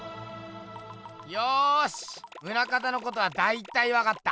よし棟方のことはだいたいわかった。